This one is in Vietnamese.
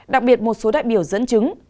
đặc biệt một số đại biểu dẫn chứng